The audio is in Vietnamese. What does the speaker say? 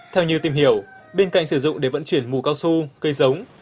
theo như tìm hiểu bên cạnh sử dụng để vận chuyển mù cao su cây giống